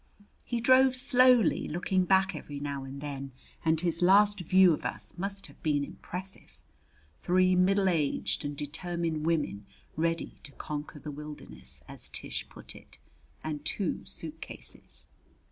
He drove slowly, looking back every now and then, and his last view of us must have been impressive three middle aged and determined women ready to conquer the wilderness, as Tish put it, and two suitcases.